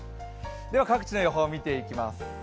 では各地の予報、見ていきます。